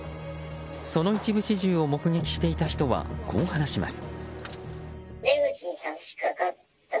その一部始終を目撃していた人はこう話します。